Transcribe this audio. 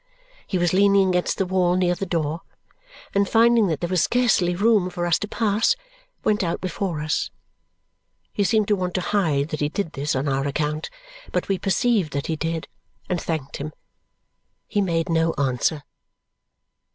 He was leaning against the wall near the door, and finding that there was scarcely room for us to pass, went out before us. He seemed to want to hide that he did this on our account, but we perceived that he did, and thanked him. He made no answer.